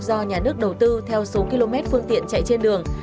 do nhà nước đầu tư theo số km phương tiện chạy trên đường